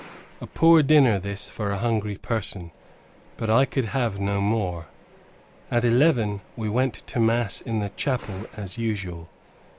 A poor dinner this, for a hungry person, but I could have no more. At eleven, we went to mass in the chapel as usual.